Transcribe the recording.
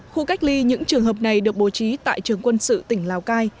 khu cách ly những trường hợp này được bố trí tại trường quân sự tỉnh lào cai